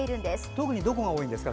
特にどこが多いんですか？